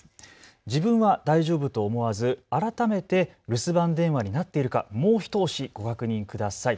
自分は大丈夫と思わず改めて留守番電話になっているかもう一押しご確認ください。